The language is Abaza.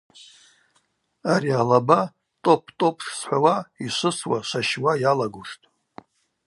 Ари алаба тӏопӏ-тӏопӏ – шсхӏвауа йшвысуа, шващуа йалагуштӏ.